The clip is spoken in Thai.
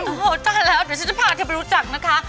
โอ้โฮจักรแล้วเดี๋ยวจะพาเธอไปรู้จักนะคะ